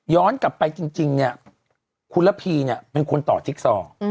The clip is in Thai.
ย้อนกลับไปจริงคุณระพีเป็นคนต่อทิกศอร์